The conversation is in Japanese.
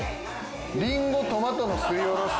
りんごトマトのすりおろし。